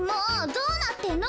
どうなってんの？